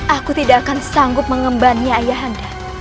aku tidak akan sanggup mengembaninya ayah henda